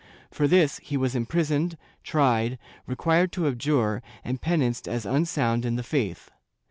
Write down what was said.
For this he was imprisoned, tried, required to abjure and penanced as unsound in the faith.